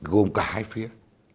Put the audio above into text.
gồm cả hai phía